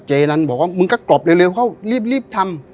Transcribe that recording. เจนันบอกว่ามึงก็กรอบเร็วเขารีบทำ